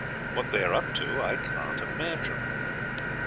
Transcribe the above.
What they are up to I can't imagine."